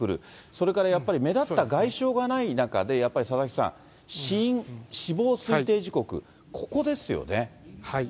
それからやっぱり目立った外傷がない中で、やっぱり佐々木さん、死因、死亡推定時刻、ここですよね。